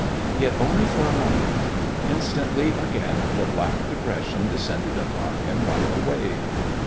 Yet, only for a moment. Instantly, again, the black depression descended upon him like a wave.